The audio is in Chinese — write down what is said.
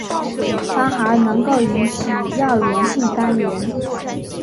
它还能够引起药源性肝炎。